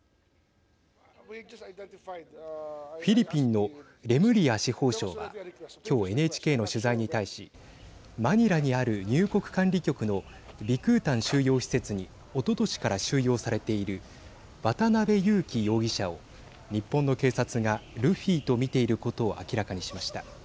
フィリピンのレムリア司法相は今日ＮＨＫの取材に対しマニラにある入国管理局のビクータン収容施設におととしから収容されている渡邉優樹容疑者を日本の警察がルフィと見ていることを明らかにしました。